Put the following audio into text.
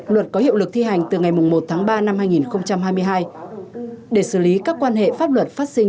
luật có hiệu lực thi hành từ ngày một tháng ba năm hai nghìn hai mươi hai để xử lý các quan hệ pháp luật phát sinh